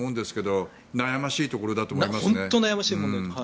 本当に悩ましいところです。